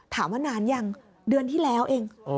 ถามว่านานยังเดือนที่แล้วเอง